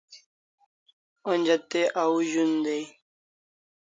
Onja te au zun dai